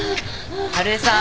春江さん。